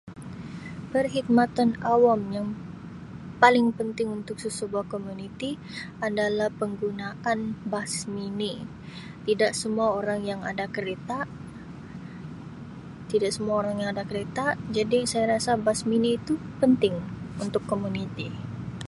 Perkhidmatan awam yang paling penting untuk sesebuah komuniti adalah penggunaan bas mini tidak semua orang kereta, tidak semua orang yang ada kereta jadi saya rasa bas mini itu penting untuk komuniti.